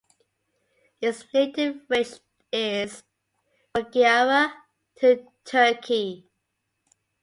Its native range is Bulgaria to Turkey.